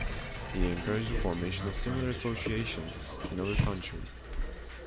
He encouraged the formation of similar associations in other countries.